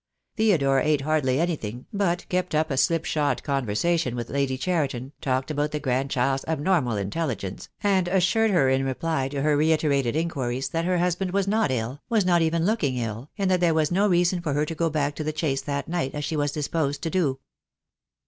Theodore ate hardly anything, but kept up a slipshod conversation with Lady Cheriton, talked about the grandchild's abnormal intelligence, and assured her in reply to her reiterated inquiries that her husband was not ill, was not even look ing ill, and that there was no reason for her to go back to the Chase that night, as she was disposed to do.